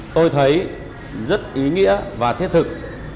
tôi thấy rất ý nghĩa và thiết thực